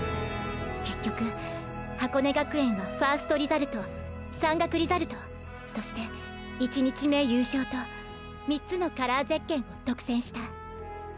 結局箱根学園はファーストリザルト山岳リザルトそして１日目優勝と３つのカラーゼッケンを独占した。